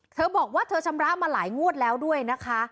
เธอบอกว่าเธอชำระมาหลายงวดแล้วด้วยนะคะ